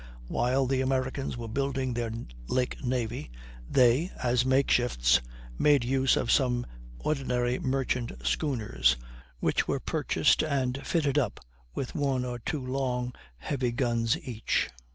While the Americans were building their lake navy, they, as makeshifts, made use of some ordinary merchant schooners, which were purchased and fitted up with one or two long, heavy guns each.